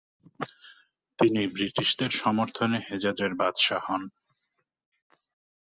তিনি ব্রিটিশদের সমর্থনে হেজাজের বাদশাহ হন।